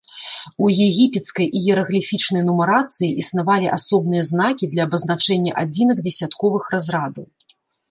У егіпецкай іерагліфічнай нумарацыі існавалі асобныя знакі для абазначэння адзінак дзесятковых разрадаў.